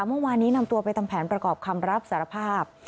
เมื่อวานนี้นำตัวไปทำแผนประกอบคำรับสารภาพ